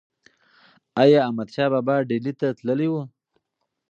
ایا احمدشاه بابا ډیلي ته تللی و؟